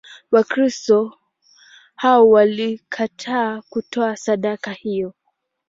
Wakristo hao walikataa kutoa sadaka hiyo.